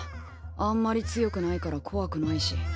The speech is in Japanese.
あんまり強くないから怖くないし。